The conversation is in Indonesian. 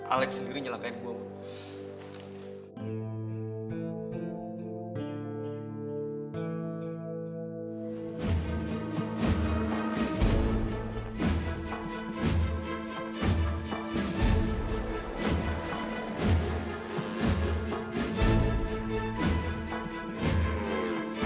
alex sendiri nyelakain gue ma